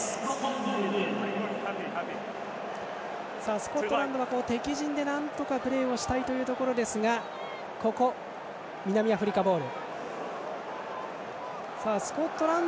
スコットランドは敵陣でなんとかプレーしたいところだが南アフリカボール。